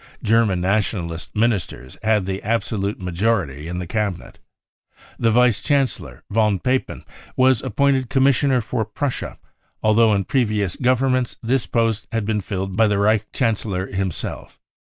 German Nationalist ministers had the absolute majority in the Cabinet. The Vice Chancellor, von Papen, was appointed Commissioner for Prussia, al though in previous Governments this post had been filled 8x the 1 real incendiaries by the Reich Chaikelior himself.